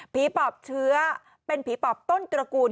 ปอบเชื้อเป็นผีปอบต้นตระกูล